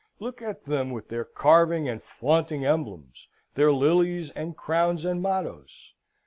Look at them with their carving and flaunting emblems their lilies, and crowns, and mottoes!